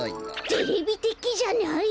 テレビてきじゃない？